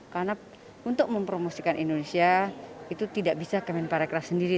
karena untuk mempromosikan indonesia itu tidak bisa kemenparekara sendiri